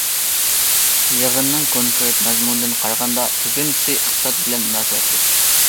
يىغىننىڭ كونكرېت مەزمۇنىدىن قارىغاندا كۆپىنچىسى ئىقتىساد بىلەن مۇناسىۋەتلىك.